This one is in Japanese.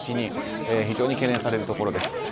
非常に懸念されるところです。